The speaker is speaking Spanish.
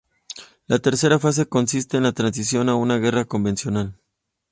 La tercera fase consiste en la transición a una guerra convencional.